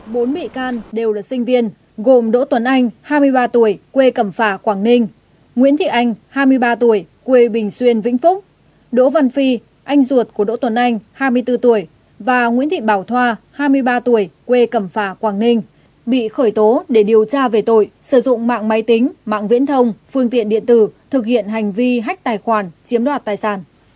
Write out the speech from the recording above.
bốn bị can đều là sinh viên gồm đỗ tuấn anh hai mươi ba tuổi quê cẩm phả quảng ninh nguyễn thị anh hai mươi ba tuổi quê bình xuyên vĩnh phúc đỗ văn phi anh ruột của đỗ tuấn anh hai mươi bốn tuổi và nguyễn thị bảo thoa hai mươi ba tuổi quê cẩm phả quảng ninh bị khởi tố để điều tra về tội sử dụng mạng máy tính mạng viễn thông phương tiện điện tử thực hiện hành vi hách tài khoản chiếm đoạt tài sản